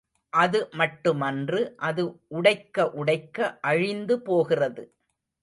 அது மட்டுமன்று அது உடைக்க உடைக்க அழிந்து போகிறது.